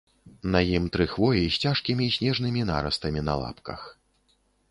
На ім тры хвоі з цяжкімі снежнымі нарастамі на лапках.